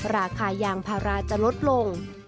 ราคายางพาราจะลดลง